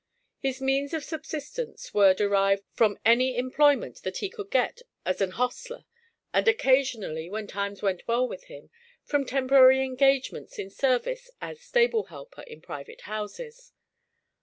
His means of subsistence were derived from any employment that he could get as an hostler, and occasionally, when times went well with him, from temporary engagements in service as stable helper in private houses.